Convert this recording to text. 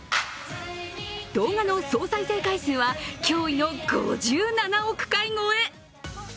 動画の総再生回数は驚異の５７億回超え。